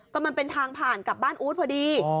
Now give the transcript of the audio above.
ก็มันเป็นทางผ่านกลับบ้านอู๊ดพอดี